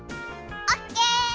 オッケー！